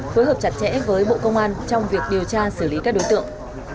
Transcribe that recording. phối hợp chặt chẽ với bộ công an trong việc điều tra xử lý các đối tượng